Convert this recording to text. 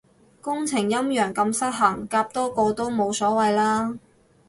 工程陰陽咁失衡，夾多個都冇所謂啦